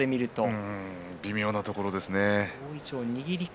微妙なところですね。